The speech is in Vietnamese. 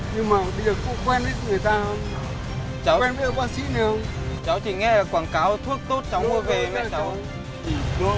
bây giờ người ta bốc người ta tạp nham lá thuốc ấy nhiều lắm